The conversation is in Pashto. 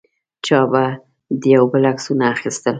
چا به د یو بل عکسونه اخیستل.